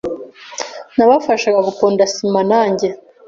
nabafashaga guponda sima nanjye